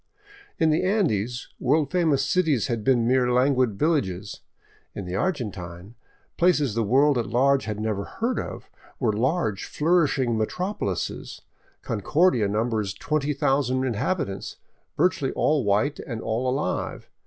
In the Andes, world famous cities had been mere languid villages; in the Argentine, places the world at large had never heard of were large, flourishing metropolises. Concordia numbers twenty thousand inhabitants, virtually all white and all alive.